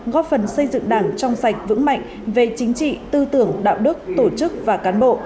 góp phần xây dựng đảng trong sạch vững mạnh về chính trị tư tưởng đạo đức tổ chức và cán bộ